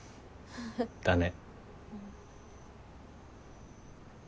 だね。